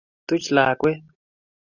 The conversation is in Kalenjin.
Tuch lakwet